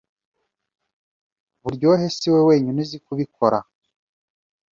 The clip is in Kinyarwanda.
Buryohe siwe wenyine uzi kubikora.